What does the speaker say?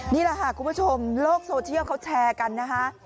นี่แหละค่ะคุณผู้ชมโลกโซเชียลเขาแชร์กันนะคะ